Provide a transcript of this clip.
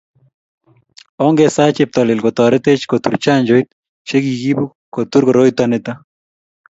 ongesaa Cheptailel kotoretech kotur chanjoit che kikiibu kutur koroito nito